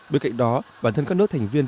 bên cạnh đó bản thân các nước thành viên